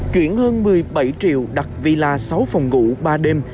chuyển hơn một mươi bảy triệu đặt villa sáu phòng ngủ ba đêm